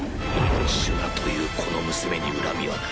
シュナというこの娘に恨みはない